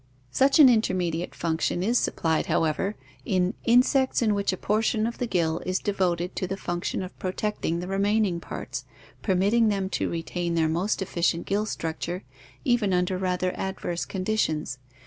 Such an intermediate function is supplied, however, in "insects in which a portion of the gill is devoted to the function of protecting the remaining parts, permitting them to retain their most efficient gill structure even under rather adverse conditions.